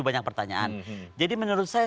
banyak pertanyaan jadi menurut saya